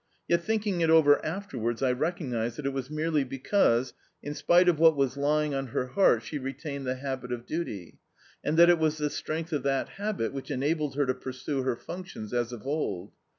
Yet, thinking it over afterwards, I recognised that it was merely because, in spite of what was lying on her heart, she retained the habit of duty, and that it was the strength of that habit which enabled her to pursue her functions as of old.